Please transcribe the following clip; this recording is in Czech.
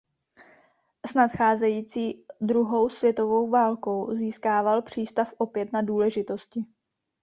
S nadcházející druhou světovou válkou získával přístav opět na důležitosti.